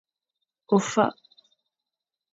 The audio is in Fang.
Ofak.